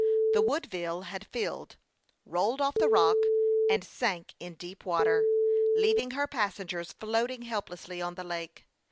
The Woodville had filled, rolled off the rock, and sunk in deep water, leaving her passengers floating helplessly on the lake.